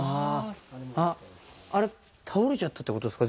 あっ、あれ、倒れちゃったってことですか？